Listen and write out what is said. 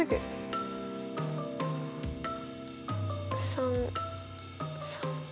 ３３。